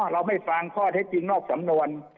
เราไม่ฟังข้อเท็จจริงนอกสำนวน